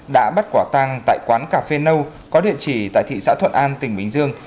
đã bắt quả tang tại quán cà phê nâu có địa chỉ tại thị xã thuận an tỉnh bình dương